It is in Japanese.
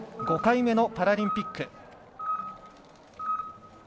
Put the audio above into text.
５回目のパラリンピック。